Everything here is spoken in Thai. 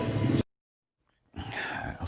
เท่าไหร่